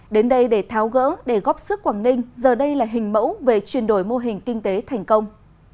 đến đây để tháo gỡ để góp sức quảng ninh giờ đây là hình mẫu về chuyển đổi mô hình kinh tế thành công